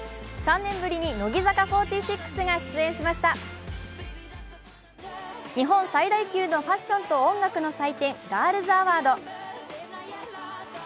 ３年ぶりに乃木坂４６が出演しました日本最大級のファッションと音楽の祭典・ガールズアワード。